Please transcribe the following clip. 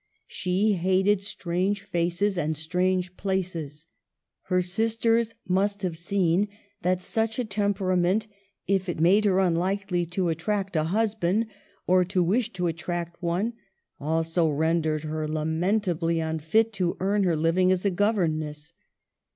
She hated strange faces and strange places. Her sisters must have seen that such a temperament, if it made her unlikely to attract a husband or to wish to attract one, also rendered her lamentably unfit to earn her living as a governess.